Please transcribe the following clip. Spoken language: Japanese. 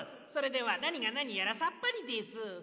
それではなにがなにやらさっぱりです。